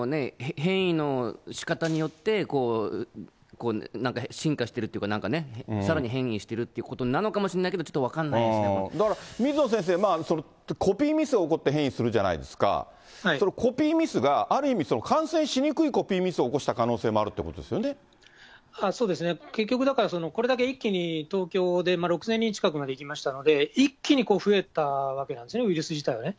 変異のしかたによって、なんか進化してるっていうか、なんかね、さらに変異してるっていうことなのかもしれないけど、ちょっと分だから水野先生、コピーミスが起こって変異するじゃないですか、それ、コピーミスが、ある意味、感染しにくいコピーミスを起こした可能性もあるということでそうですね、結局だから、これだけ一気に東京で６０００人近くまでいきましたので、一気に増えたわけなんですね、ウイルス自体はね。